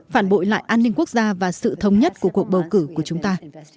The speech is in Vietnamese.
phản bội lại an ninh quốc gia và sự thống nhất của cuộc bầu cử của chúng ta